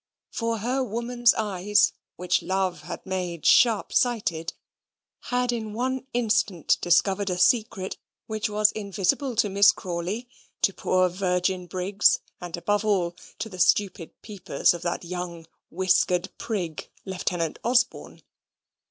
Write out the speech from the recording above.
For her woman's eyes, which Love had made sharp sighted, had in one instant discovered a secret which was invisible to Miss Crawley, to poor virgin Briggs, and above all, to the stupid peepers of that young whiskered prig, Lieutenant Osborne.